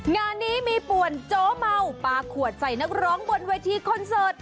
งานนี้มีป่วนโจ๊เมาปลาขวดใส่นักร้องบนเวทีคอนเสิร์ต